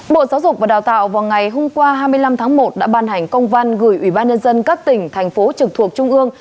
bộ giáo dục và đào tạo vào ngày hôm qua hai mươi năm tháng một đã ban hành công văn gửi ủy ban nhân dân các tỉnh thành phố trực thuộc trung ương